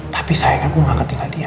tapi sayangnya gua gak ketinggalan dia